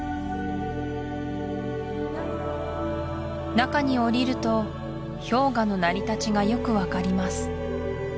中に下りると氷河の成り立ちがよく分かります